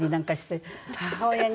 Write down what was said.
母親に。